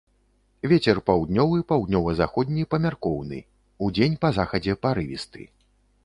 Вецер паўднёвы, паўднёва-заходні памяркоўны, удзень па захадзе парывісты.